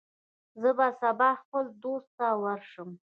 زه به سبا خپل دوست ته ورشم.